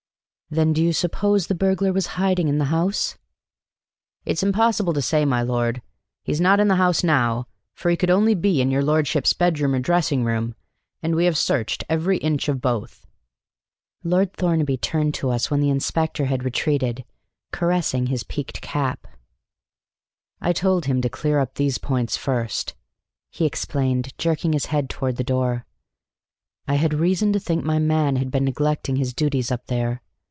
"Then do you suppose the burglar was in hiding in the house?" "It's impossible to say, my lord. He's not in the house now, for he could only be in your lordship's bedroom or dressing room, and we have searched every inch of both." Lord Thornaby turned to us when the inspector had retreated, caressing his peaked cap. "I told him to clear up these points first," he explained, jerking his head toward the door. "I had reason to think my man had been neglecting his duties up there.